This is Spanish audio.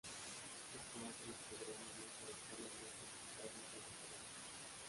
Esto hace el programa más adaptable a las necesidades del operador.